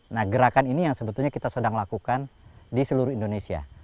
nah gerakan ini yang sebetulnya kita sedang lakukan di seluruh indonesia